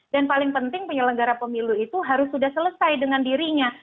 dan paling penting penyelenggara pemilu itu harus sudah selesai dengan dirinya